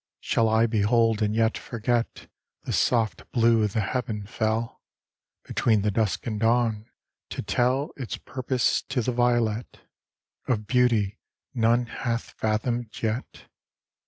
Shall I behold and yet forget, The soft blue of the heaven fell, Between the dusk and dawn, to tell Its purpose, to the violet, Of beauty none hath fathomed yet?